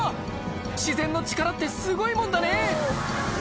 自然の力ってすごいもんだね